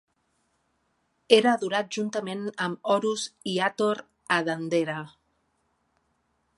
Era adorat juntament amb Horus i Hathor a Dendera.